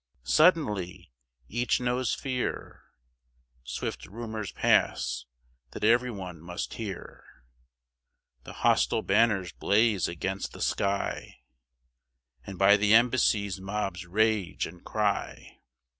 Suddenly, each knows fear; Swift rumours pass, that every one must hear, The hostile banners blaze against the sky And by the embassies mobs rage and cry.